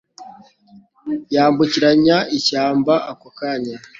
yambukiranya ishyamba ako kanya